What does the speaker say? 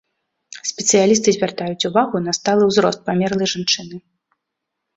Спецыялісты звяртаюць увагу на сталы ўзрост памерлай жанчыны.